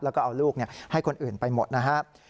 แล้วก็เอาลูกให้คนอื่นไปหมดนะครับ